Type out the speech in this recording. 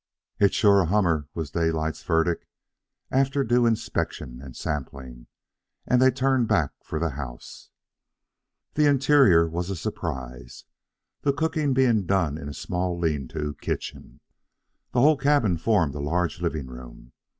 "It's sure a hummer," was Daylight's verdict, after due inspection and sampling, as they turned back for the house. The interior was a surprise. The cooking being done in the small, lean to kitchen, the whole cabin formed a large living room.